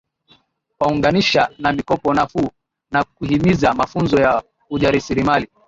Kuwaunganisha na mikopo nafuu na kuhimiza mafunzo ya ujasiriamali